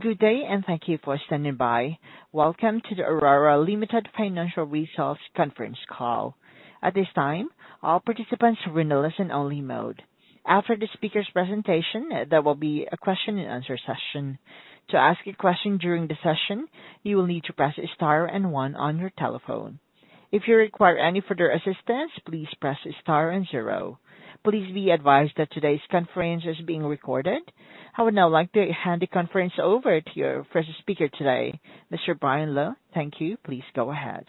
Good day, and thank you for standing by. Welcome to the Orora Limited Financial Results Conference Call. At this time, all participants are in a listen-only mode. After the speaker's presentation, there will be a question and answer session. To ask a question during the session, you will need to press star and one on your telephone. If you require any further assistance, please press star and zero. Please be advised that today's conference is being recorded. I would now like to hand the conference over to your first speaker today, Mr. Brian Lowe. Thank you. Please go ahead.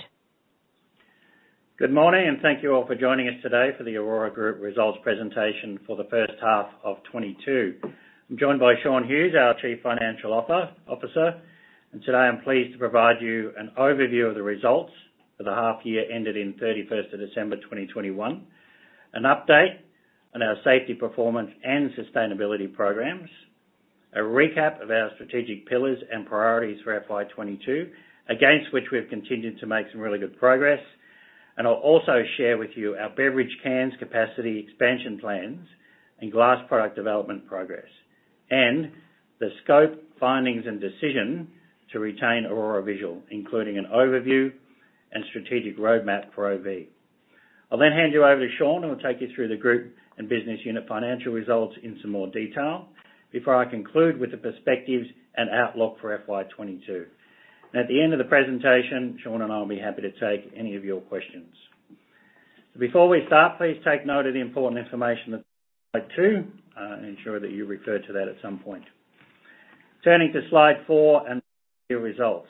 Good morning, and thank you all for joining us today for the Orora Group results presentation for the first half of 2022. I'm joined by Shaun Hughes, our Chief Financial Officer. Today, I'm pleased to provide you an overview of the results for the half year ended 31 December 2021, an update on our safety, performance, and sustainability programs, a recap of our strategic pillars and priorities for FY 2022, against which we have continued to make some really good progress. I'll also share with you our beverage cans capacity expansion plans and glass product development progress. The scope, findings, and decision to retain Orora Visual, including an overview and strategic roadmap for OV. I'll then hand you over to Shaun, who will take you through the group and business unit financial results in some more detail before I conclude with the perspectives and outlook for FY 2022. At the end of the presentation, Shaun and I will be happy to take any of your questions. Before we start, please take note of the important information at two, ensure that you refer to that at some point. Turning to slide four and results.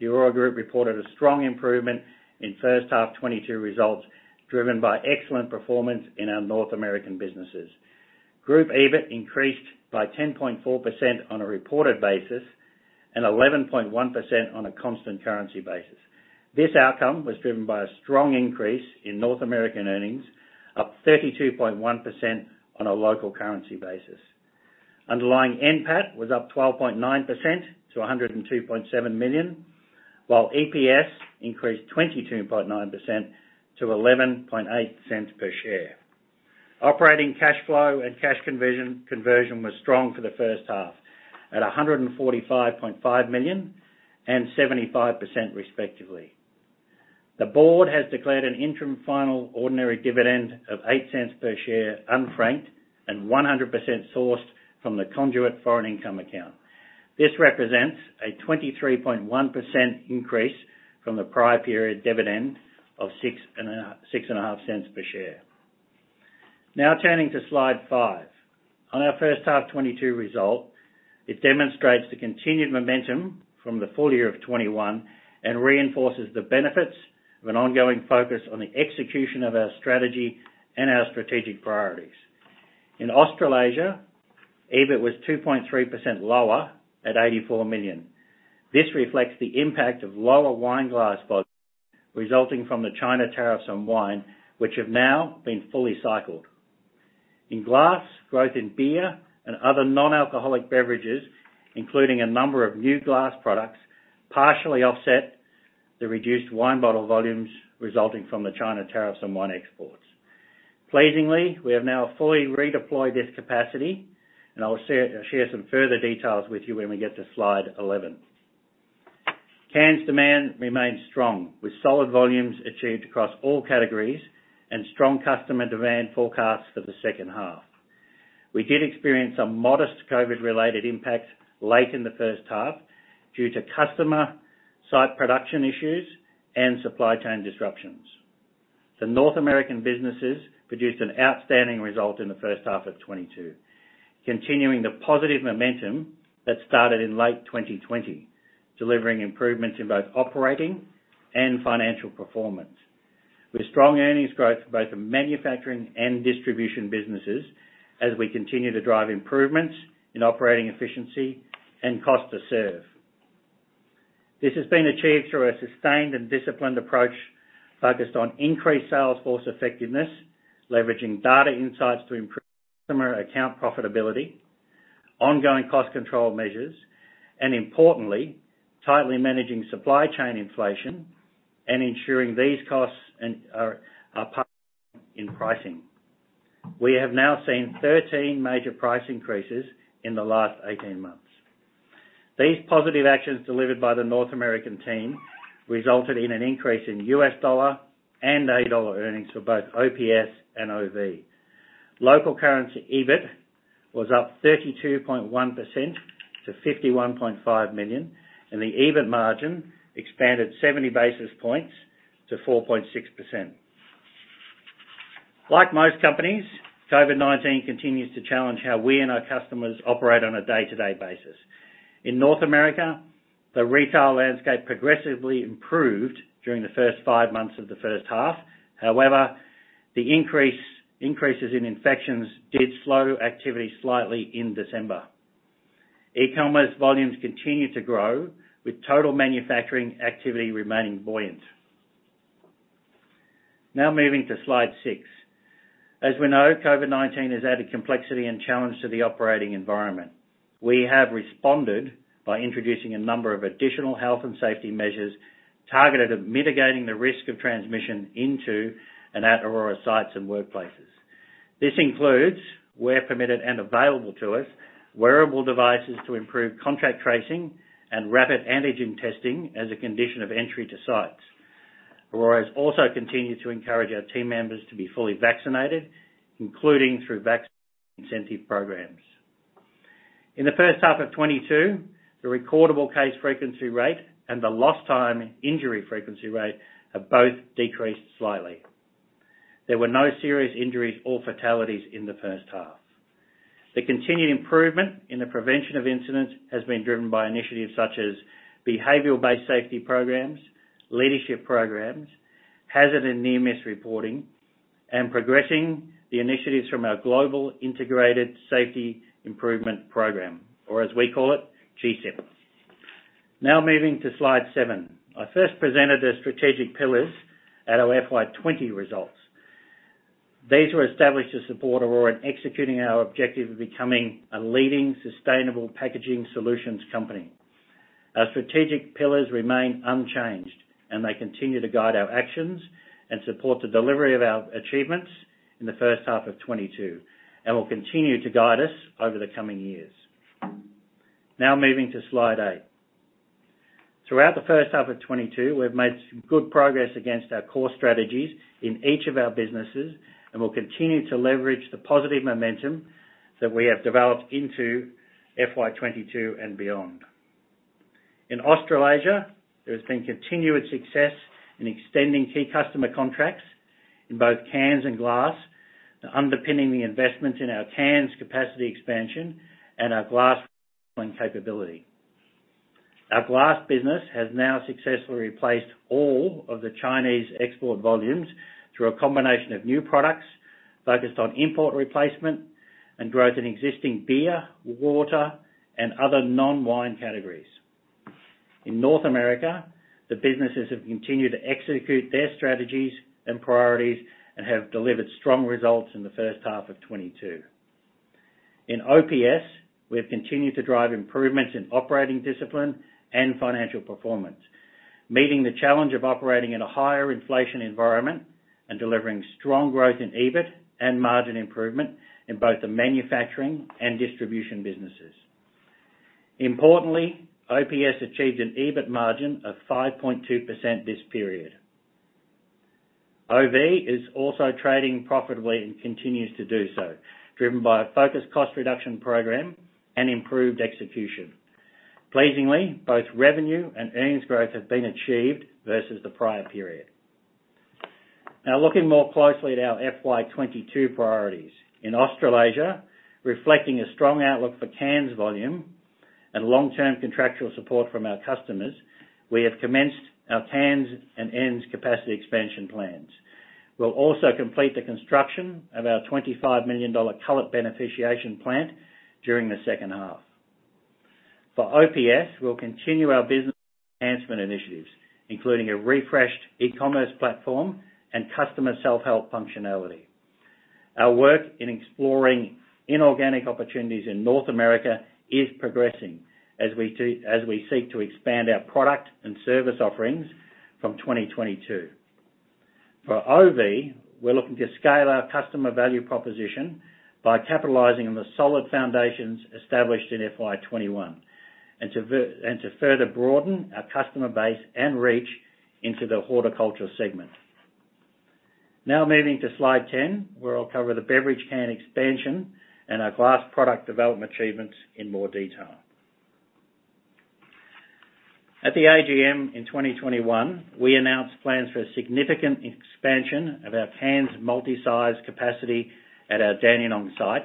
The Orora Group reported a strong improvement in first half 2022 results driven by excellent performance in our North American businesses. Group EBIT increased by 10.4% on a reported basis and 11.1% on a constant currency basis. This outcome was driven by a strong increase in North American earnings, up 32.1% on a local currency basis. Underlying NPAT was up 12.9% to 102.7 million, while EPS increased 22.9% to 0.118 per share. Operating cash flow and cash conversion was strong for the first half at 145.5 million and 75%, respectively. The board has declared an interim final ordinary dividend of 0.08 per share unfranked and 100% sourced from the conduit foreign income account. This represents a 23.1% increase from the prior period dividend of 0.065 per share. Now turning to slide five. On our first half 2022 result, it demonstrates the continued momentum from the full year of 2021 and reinforces the benefits of an ongoing focus on the execution of our strategy and our strategic priorities. In Australasia, EBIT was 2.3% lower at 84 million. This reflects the impact of lower wine glass resulting from the Chinese tariffs on wine, which have now been fully cycled. In glass, growth in beer and other non-alcoholic beverages, including a number of new glass products, partially offset the reduced wine bottle volumes resulting from the Chinese tariffs on wine exports. Pleasingly, we have now fully redeployed this capacity, and I will share some further details with you when we get to slide 11. Cans demand remains strong, with solid volumes achieved across all categories and strong customer demand forecasts for the second half. We did experience some modest COVID-related impacts late in the first half due to customer site production issues and supply chain disruptions. The North American businesses produced an outstanding result in the first half of 2022, continuing the positive momentum that started in late 2020, delivering improvements in both operating and financial performance. With strong earnings growth for both the manufacturing and distribution businesses as we continue to drive improvements in operating efficiency and cost to serve. This has been achieved through a sustained and disciplined approach focused on increased sales force effectiveness, leveraging data insights to improve customer account profitability, ongoing cost control measures, and importantly, tightly managing supply chain inflation and ensuring these costs are in pricing. We have now seen 13 major price increases in the last 18 months. These positive actions delivered by the North American team resulted in an increase in US dollar and AUD dollar earnings for both OPS and OV. Local currency EBIT was up 32.1% to 51.5 million, and the EBIT margin expanded 70 basis points to 4.6%. Like most companies, COVID-19 continues to challenge how we and our customers operate on a day-to-day basis. In North America, the retail landscape progressively improved during the first five months of the first half. However, the increases in infections did slow activity slightly in December. E-commerce volumes continue to grow, with total manufacturing activity remaining buoyant. Now moving to slide six. As we know, COVID-19 has added complexity and challenge to the operating environment. We have responded by introducing a number of additional health and safety measures targeted at mitigating the risk of transmission into and at Orora sites and workplaces. This includes where permitted and available to us, wearable devices to improve contact tracing and rapid antigen testing as a condition of entry to sites. Orora has also continued to encourage our team members to be fully vaccinated, including through vaccine incentive programs. In the first half of 2022, the Total Recordable Incident Rate and the Lost Time Injury Frequency Rate have both decreased slightly. There were no serious injuries or fatalities in the first half. The continued improvement in the prevention of incidents has been driven by initiatives such as behavioral-based safety programs, leadership programs, hazard and near-miss reporting, and progressing the initiatives from our global integrated safety improvement program, or as we call it, GSIP. Now moving to slide seven. I first presented the strategic pillars at our FY 2020 results. These were established to support Orora in executing our objective of becoming a leading sustainable packaging solutions company. Our strategic pillars remain unchanged, and they continue to guide our actions and support the delivery of our achievements in the first half of 2022, and will continue to guide us over the coming years. Now, moving to slide eight. Throughout the first half of 2022, we've made some good progress against our core strategies in each of our businesses, and we'll continue to leverage the positive momentum that we have developed into FY 2022 and beyond. In Australasia, there's been continuous success in extending key customer contracts in both cans and glass, underpinning the investment in our cans capacity expansion and our glass capability. Our glass business has now successfully replaced all of the Chinese export volumes through a combination of new products focused on import replacement and growth in existing beer, water, and other non-wine categories. In North America, the businesses have continued to execute their strategies and priorities and have delivered strong results in the first half of 2022. In OPS, we have continued to drive improvements in operating discipline and financial performance, meeting the challenge of operating in a higher inflation environment and delivering strong growth in EBIT and margin improvement in both the manufacturing and distribution businesses. Importantly, OPS achieved an EBIT margin of 5.2% this period. OV is also trading profitably and continues to do so, driven by a focused cost reduction program and improved execution. Pleasingly, both revenue and earnings growth have been achieved versus the prior period. Now, looking more closely at our FY 2022 priorities. In Australasia, reflecting a strong outlook for cans volume and long-term contractual support from our customers, we have commenced our cans and ends capacity expansion plans. We'll also complete the construction of our 25 million dollar cullet beneficiation plant during the second half. For OPS, we'll continue our business enhancement initiatives, including a refreshed e-commerce platform and customer self-help functionality. Our work in exploring inorganic opportunities in North America is progressing as we seek to expand our product and service offerings from 2022. For OV, we're looking to scale our customer value proposition by capitalizing on the solid foundations established in FY 2021, and to further broaden our customer base and reach into the horticulture segment. Now, moving to slide 10, where I'll cover the beverage can expansion and our glass product development achievements in more detail. At the AGM in 2021, we announced plans for a significant expansion of our cans multi-size capacity at our Dandenong site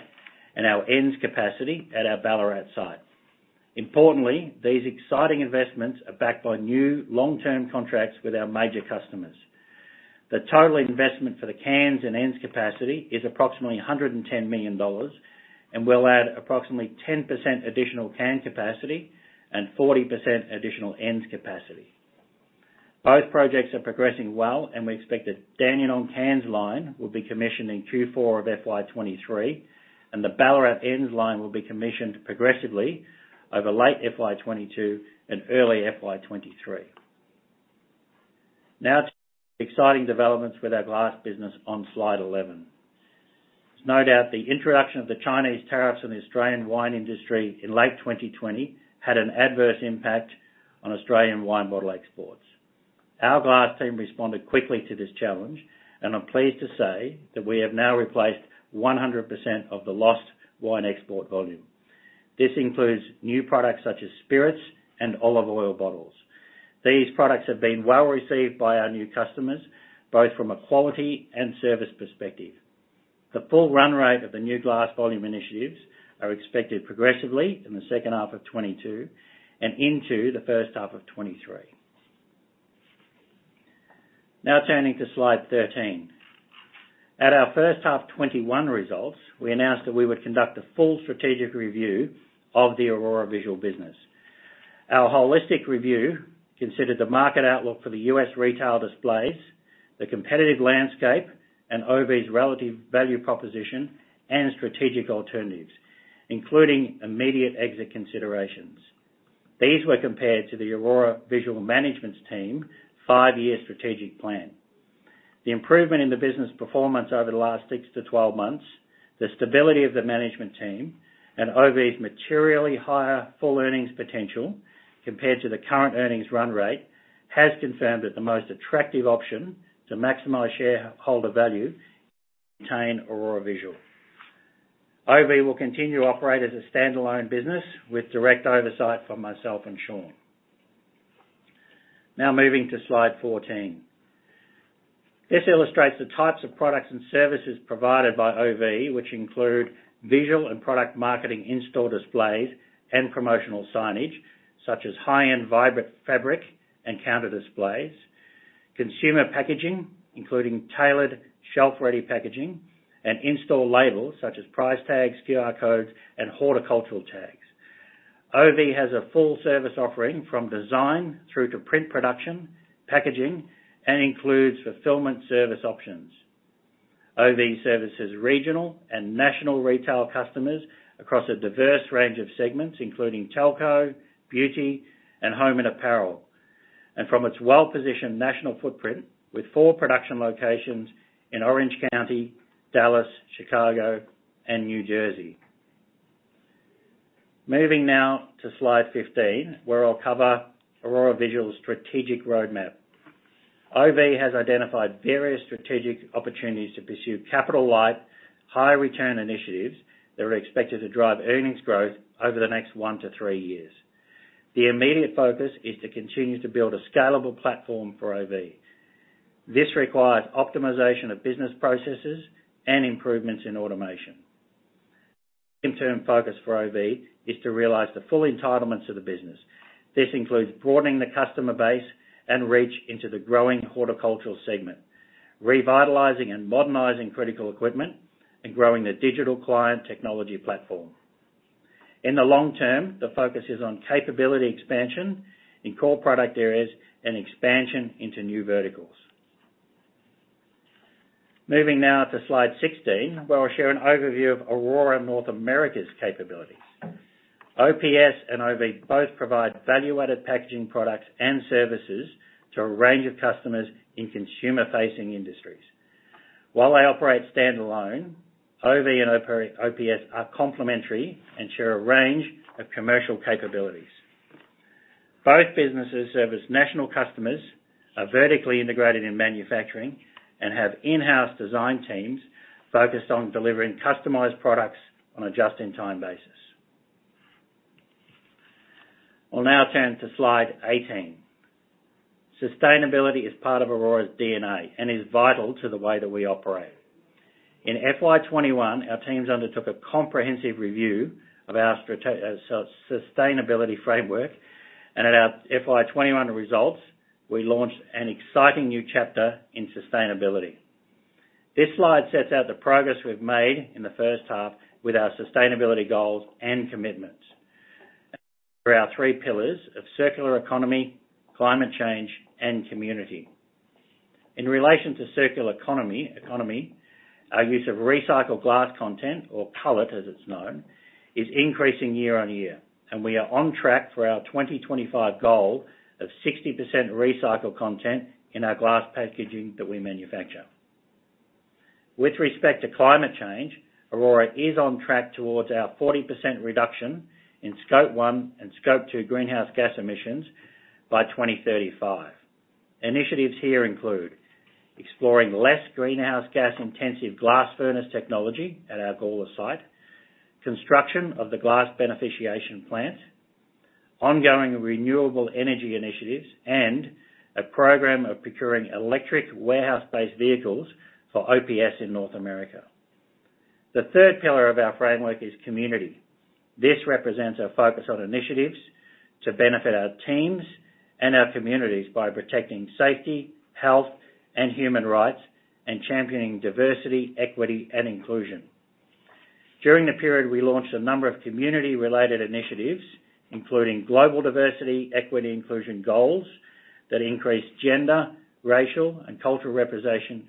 and our ends capacity at our Ballarat site. Importantly, these exciting investments are backed by new long-term contracts with our major customers. The total investment for the cans and ends capacity is approximately 110 million dollars and will add approximately 10% additional can capacity and 40% additional ends capacity. Both projects are progressing well, and we expect that Dandenong cans line will be commissioned in Q4 of FY 2023, and the Ballarat ends line will be commissioned progressively over late FY 2022 and early FY 2023. Now to exciting developments with our glass business on slide 11. There's no doubt the introduction of the Chinese tariffs on the Australian wine industry in late 2020 had an adverse impact on Australian wine bottle exports. Our glass team responded quickly to this challenge, and I'm pleased to say that we have now replaced 100% of the lost wine export volume. This includes new products such as spirits bottles and olive oil bottles. These products have been well received by our new customers, both from a quality and service perspective. The full run rate of the new glass volume initiatives are expected progressively in the second half of 2022 and into the first half of 2023. Now, turning to slide 13. At our first half 2021 results, we announced that we would conduct a full strategic review of the Orora Visual business. Our holistic review considered the market outlook for the U.S. retail displays, the competitive landscape, and OV's relative value proposition and strategic alternatives, including immediate exit considerations. These were compared to the Orora Visual management team's five-year strategic plan. The improvement in the business performance over the last six to 12 months, the stability of the management team, and OV's materially higher full earnings potential compared to the current earnings run rate, has confirmed that the most attractive option to maximize shareholder value is to retain Orora Visual. OV will continue to operate as a standalone business with direct oversight from myself and Shaun. Now moving to slide 14. This illustrates the types of products and services provided by OV, which include visual and product marketing in-store displays and promotional signage, such as high-end vibrant fabric and counter displays, consumer packaging, including tailored shelf-ready packaging and in-store labels such as price tags, QR codes, and horticultural tags. OV has a full service offering from design through to print production, packaging, and includes fulfillment service options. OV services regional and national retail customers across a diverse range of segments, including telco, beauty, and home and apparel. From its well-positioned national footprint, with four production locations in Orange County, Dallas, Chicago, and New Jersey. Moving now to slide 15, where I'll cover Orora Visual's strategic roadmap. OV has identified various strategic opportunities to pursue capital-light, high-return initiatives that are expected to drive earnings growth over the next one-three years. The immediate focus is to continue to build a scalable platform for OV. This requires optimization of business processes and improvements in automation. Interim focus for OV is to realize the full entitlements of the business. This includes broadening the customer base and reach into the growing horticulture segment, revitalizing and modernizing critical equipment, and growing the digital client technology platform. In the long term, the focus is on capability expansion in core product areas and expansion into new verticals. Moving now to slide 16, where I'll share an overview of Orora North America's capabilities. OPS and OV both provide value-added packaging products and services to a range of customers in consumer-facing industries. While they operate standalone, OV and OPS are complementary and share a range of commercial capabilities. Both businesses service national customers, are vertically integrated in manufacturing, and have in-house design teams focused on delivering customized products on a just-in-time basis. I'll now turn to slide 18. Sustainability is part of Orora's DNA and is vital to the way that we operate. In FY 2021, our teams undertook a comprehensive review of our sustainability framework, and at our FY 2021 results, we launched an exciting new chapter in sustainability. This slide sets out the progress we've made in the first half with our sustainability goals and commitments through our three pillars of circular economy, climate change, and community. In relation to circular economy, our use of recycled glass content or cullet, as it's known, is increasing year on year, and we are on track for our 2025 goal of 60% recycled content in our glass packaging that we manufacture. With respect to climate change, Orora is on track towards our 40% reduction in Scope 1 and Scope 2 greenhouse gas emissions by 2035. Initiatives here include exploring less greenhouse gas-intensive glass furnace technology at our Gawler site, construction of the cullet beneficiation plant, ongoing renewable energy initiatives, and a program of procuring electric warehouse-based vehicles for OPS in North America. The third pillar of our framework is community. This represents our focus on initiatives to benefit our teams and our communities by protecting safety, health, and human rights, and championing Diversity, Equity, and Inclusion. During the period, we launched a number of community-related initiatives, including global Diversity, Equity, Inclusion goals that increase gender, racial, and cultural representation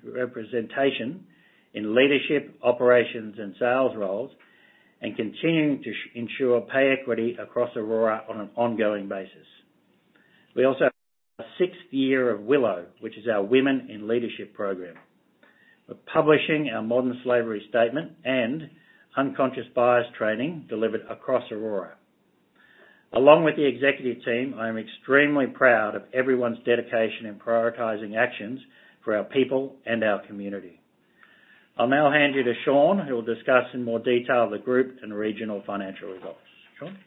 in leadership, operations, and sales roles, and continuing to ensure pay equity across Orora on an ongoing basis. We also have our sixth year of WILLOW, which is our Women in Leadership program. We're publishing our Modern Slavery Statement and unconscious bias training delivered across Orora. Along with the executive team, I am extremely proud of everyone's dedication in prioritizing actions for our people and our community. I'll now hand you to Shaun, who will discuss in more detail the group and regional financial results. Shaun?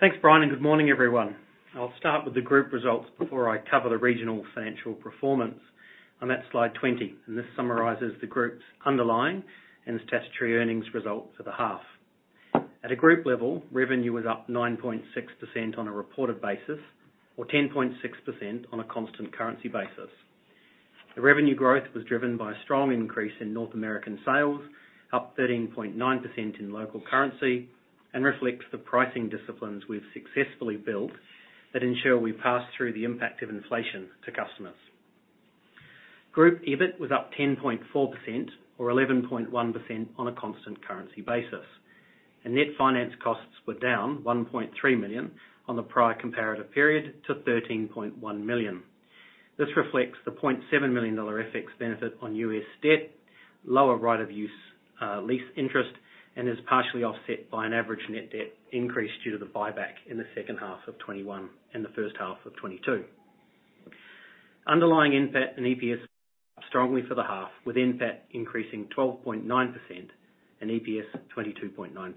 Thanks, Brian, and good morning, everyone. I'll start with the group results before I cover the regional financial performance on that slide 20, and this summarizes the group's underlying and its statutory earnings results for the half. At a group level, revenue was up 9.6% on a reported basis or 10.6% on a constant currency basis. The revenue growth was driven by a strong increase in North American sales, up 13.9% in local currency and reflects the pricing disciplines we've successfully built that ensure we pass through the impact of inflation to customers. Group EBIT was up 10.4% or 11.1% on a constant currency basis, and net finance costs were down 1.3 million on the prior comparative period to 13.1 million. This reflects the 0.7 million FX benefit on US debt, lower right-of-use lease interest, and is partially offset by an average net debt increase due to the buyback in the second half of 2021 and the first half of 2022. Underlying NPAT and EPS strongly for the half, with NPAT increasing 12.9% and EPS 22.9%.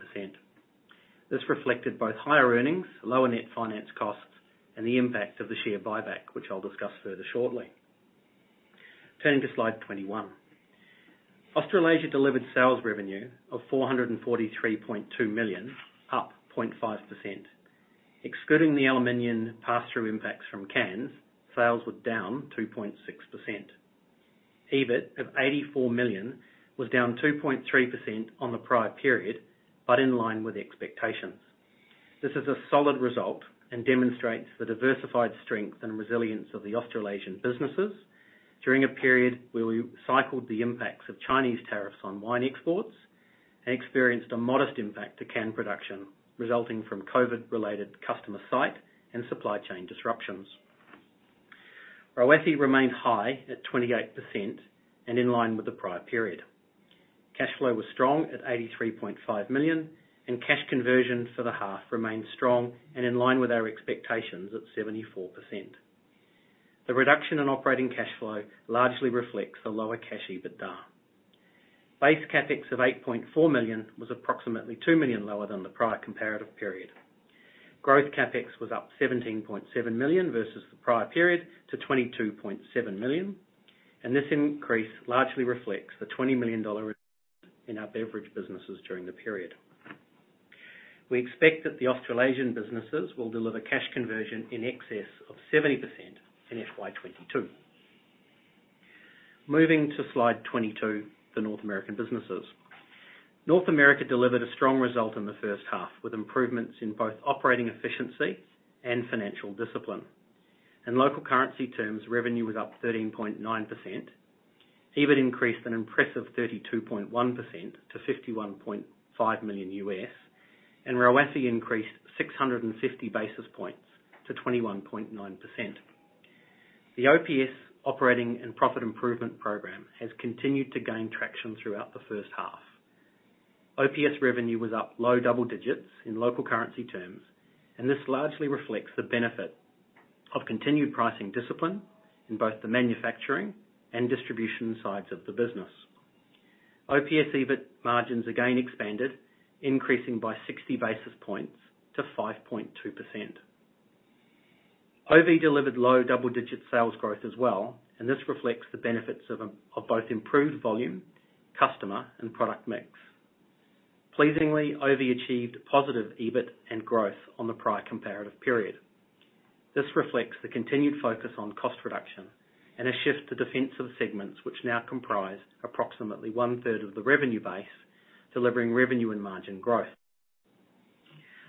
This reflected both higher earnings, lower net finance costs, and the impacts of the share buyback, which I'll discuss further shortly. Turning to slide 21. Australasia delivered sales revenue of 443.2 million, up 0.5%. Excluding the aluminium pass-through impacts from cans, sales were down 2.6%. EBIT of 84 million was down 2.3% on the prior period, but in line with expectations. This is a solid result and demonstrates the diversified strength and resilience of the Australasian businesses during a period where we cycled the impacts of Chinese tariffs on wine exports and experienced a modest impact to can production, resulting from COVID-related customer site and supply chain disruptions. ROACE remained high at 28% and in line with the prior period. Cash flow was strong at 83.5 million, and cash conversion for the half remained strong and in line with our expectations of 74%. The reduction in operating cash flow largely reflects the lower cash EBITDA. Base CapEx of 8.4 million was approximately 2 million lower than the prior comparative period. Growth CapEx was up 17.7 million versus the prior period to 22.7 million, and this increase largely reflects the 20 million dollar in our beverage businesses during the period. We expect that the Australasian businesses will deliver cash conversion in excess of 70% in FY 2022. Moving to slide 22, the North American businesses delivered a strong result in the first half, with improvements in both operating efficiency and financial discipline. In local currency terms, revenue was up 13.9%. EBIT increased an impressive 32.1% to 51.5 million, and ROACE increased 650 basis points to 21.9%. The OPS operating and profit improvement program has continued to gain traction throughout the first half. OPS revenue was up low double digits in local currency terms, and this largely reflects the benefit of continued pricing discipline in both the manufacturing and distribution sides of the business. OPS EBIT margins again expanded, increasing by 60 basis points to 5.2%. OV delivered low double-digit sales growth as well, and this reflects the benefits of both improved volume, customer, and product mix. Pleasingly, OV achieved positive EBIT and growth on the prior comparative period. This reflects the continued focus on cost reduction and a shift to defensive segments, which now comprise approximately 1/3 of the revenue base, delivering revenue and margin growth.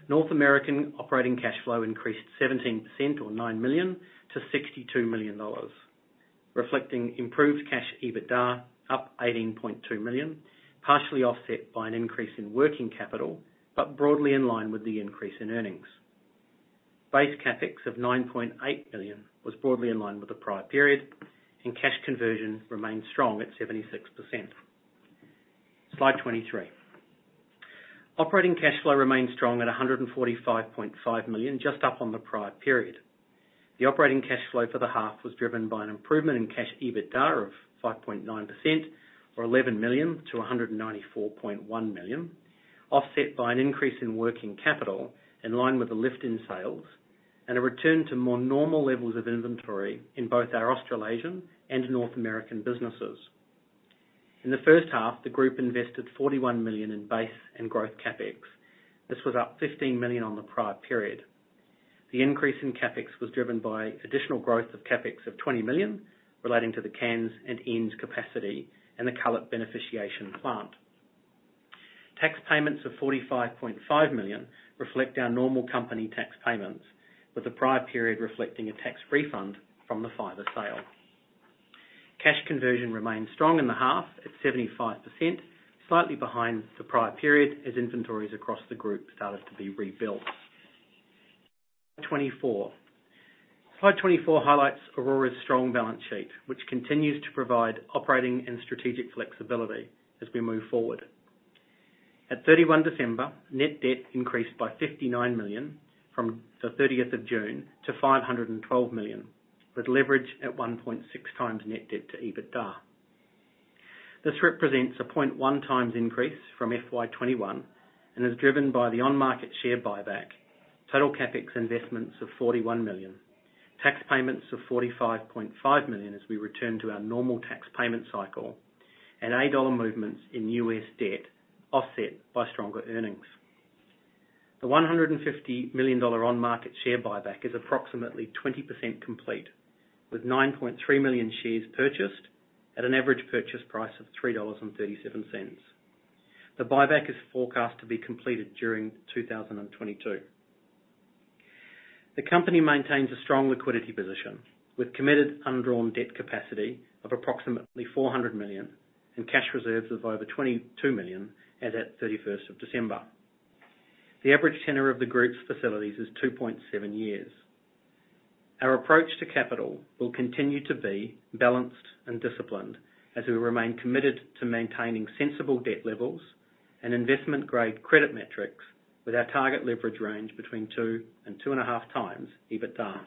North American operating cash flow increased 17% or $9 million to $62 million, reflecting improved cash EBITDA up 18.2 million, partially offset by an increase in working capital, but broadly in line with the increase in earnings. Base CapEx of 9.8 million was broadly in line with the prior period, and cash conversion remained strong at 76%. Slide 23. Operating cash flow remained strong at 145.5 million, just up on the prior period. The operating cash flow for the half was driven by an improvement in cash EBITDA of 5.9% or 11 million to 194.1 million, offset by an increase in working capital in line with the lift in sales, and a return to more normal levels of inventory in both our Australasian and North American businesses. In the first half, the group invested 41 million in base and growth CapEx. This was up 15 million on the prior period. The increase in CapEx was driven by additional growth of CapEx of 20 million relating to the cans and ends capacity and the cullet beneficiation plant. Tax payments of 45.5 million reflect our normal company tax payments, with the prior period reflecting a tax refund from the fiber sale. Cash conversion remained strong in the half at 75%, slightly behind the prior period as inventories across the group started to be rebuilt. 24. Slide 24 highlights Orora's strong balance sheet, which continues to provide operating and strategic flexibility as we move forward. At 31 December, net debt increased by 59 million from 30 June to 512 million, with leverage at 1.6 times net debt to EBITDA. This represents a 0.1 times increase from FY 2021 and is driven by the on-market share buyback, total CapEx investments of 41 million, tax payments of 45.5 million as we return to our normal tax payment cycle, and our dollar movements in U.S. debt offset by stronger earnings. The 150 million dollar on-market share buyback is approximately 20% complete, with 9.3 million shares purchased at an average purchase price of 3.37 dollars. The buyback is forecast to be completed during 2022. The company maintains a strong liquidity position, with committed undrawn debt capacity of approximately 400 million, and cash reserves of over 22 million as at December 31. The average tenure of the group's facilities is 2.7 years. Our approach to capital will continue to be balanced and disciplined as we remain committed to maintaining sensible debt levels and investment-grade credit metrics with our target leverage range between 2x and 2.5x EBITDA.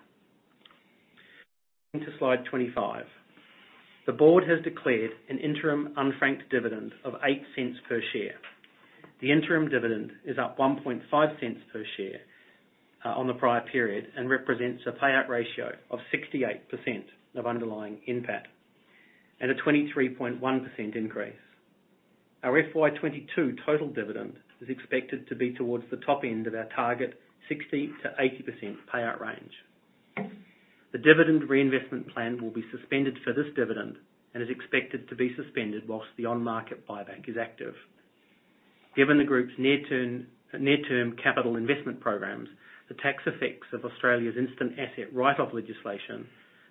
Onto slide 25. The board has declared an interim unfranked dividend of 0.08 per share. The interim dividend is up 0.015 per share on the prior period and represents a payout ratio of 68% of underlying NPAT and a 23.1% increase. Our FY 2022 total dividend is expected to be towards the top end of our target 60%-80% payout range. The dividend reinvestment plan will be suspended for this dividend and is expected to be suspended while the on-market buyback is active. Given the group's near-term capital investment programs, the tax effects of Australia's instant asset write-off legislation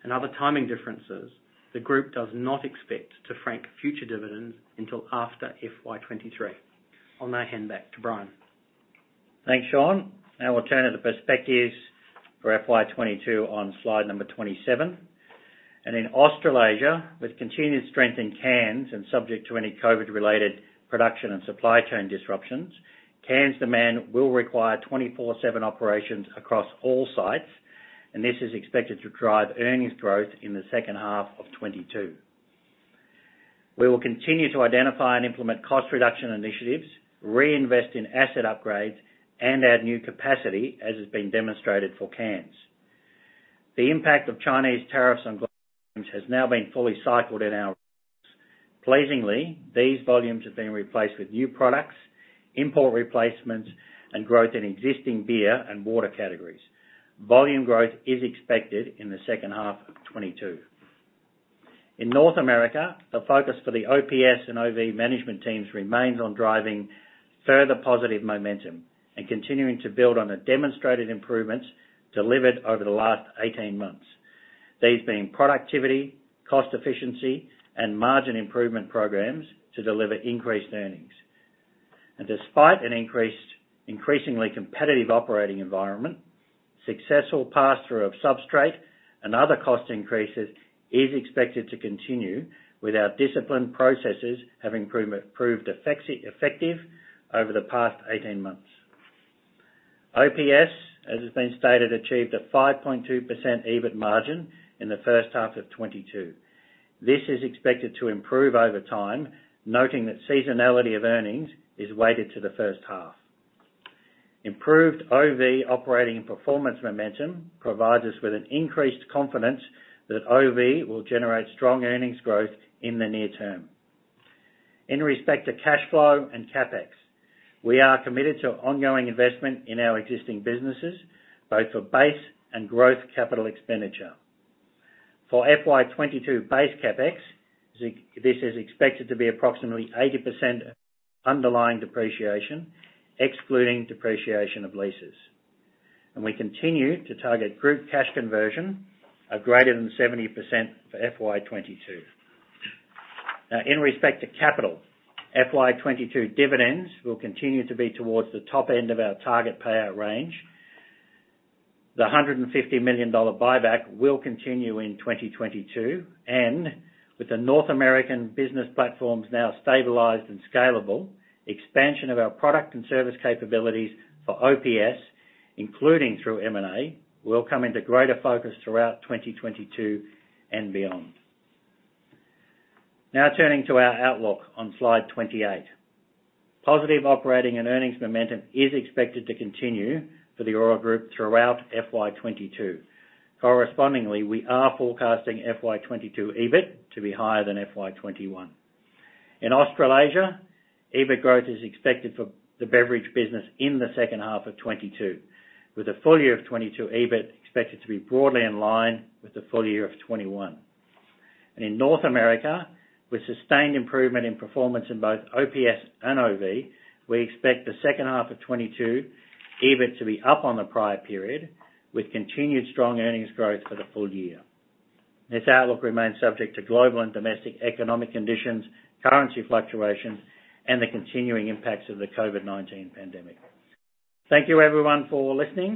and other timing differences, the group does not expect to frank future dividends until after FY 2023. I'll now hand back to Brian. Thanks, Shaun. Now we'll turn to the prospects for FY 2022 on slide number 27. In Australasia, with continued strength in cans and subject to any COVID-related production and supply chain disruptions, cans demand will require 24/7 operations across all sites, and this is expected to drive earnings growth in the second half of 2022. We will continue to identify and implement cost reduction initiatives, reinvest in asset upgrades, and add new capacity as has been demonstrated for cans. The impact of Chinese tariffs on glass has now been fully cycled. Pleasingly, these volumes have been replaced with new products, import replacements, and growth in existing beer and water categories. Volume growth is expected in the second half of 2022. In North America, the focus for the OPS and OV management teams remains on driving further positive momentum and continuing to build on the demonstrated improvements delivered over the last 18 months, these being productivity, cost efficiency, and margin improvement programs to deliver increased earnings. Despite an increasingly competitive operating environment, successful pass-through of substrate and other cost increases is expected to continue with our disciplined processes having proved effective over the past 18 months. OPS, as has been stated, achieved a 5.2% EBIT margin in the first half of 2022. This is expected to improve over time, noting that seasonality of earnings is weighted to the first half. Improved OV operating and performance momentum provides us with an increased confidence that OV will generate strong earnings growth in the near term. In respect to cash flow and CapEx, we are committed to ongoing investment in our existing businesses, both for base and growth capital expenditure. For FY 2022 base CapEx, this is expected to be approximately 80% underlying depreciation, excluding depreciation of leases. We continue to target group cash conversion of greater than 70% for FY 2022. Now, in respect to capital, FY 2022 dividends will continue to be towards the top end of our target payout range. The 150 million dollar buyback will continue in 2022, and with the North American business platforms now stabilized and scalable, expansion of our product and service capabilities for OPS, including through M&A, will come into greater focus throughout 2022 and beyond. Now turning to our outlook on slide 28. Positive operating and earnings momentum is expected to continue for the Orora Group throughout FY 2022. Correspondingly, we are forecasting FY 2022 EBIT to be higher than FY 2021. In Australasia, EBIT growth is expected for the beverage business in the second half of 2022, with the full year of 2022 EBIT expected to be broadly in line with the full year of 2021. In North America, with sustained improvement in performance in both OPS and OV, we expect the second half of 2022 EBIT to be up on the prior period, with continued strong earnings growth for the full year. This outlook remains subject to global and domestic economic conditions, currency fluctuations, and the continuing impacts of the COVID-19 pandemic. Thank you everyone for listening.